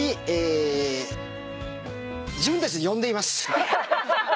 自分たちで呼んでいます。